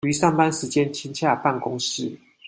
於上班時間親洽辦公室